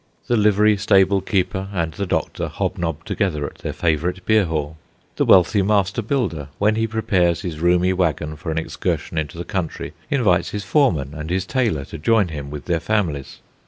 The livery stable keeper and the doctor hobnob together at their favourite beer hall. The wealthy master builder, when he prepares his roomy waggon for an excursion into the country, invites his foreman and his tailor to join him with their families.